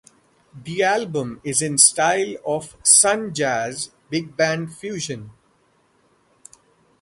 The album is in the style of son-jazz big band fusion.